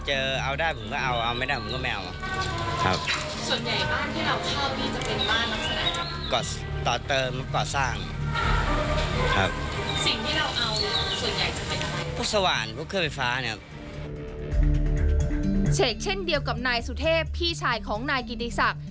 เช่นเดียวกับนายสุเทพพี่ชายของนายกิติศักดิ์